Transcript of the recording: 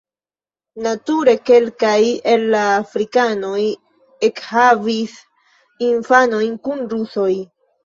Nature kelkaj el la afrikanoj ekhavis infanojn kun rusoj.